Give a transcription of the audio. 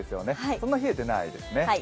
そんな冷えてないですね。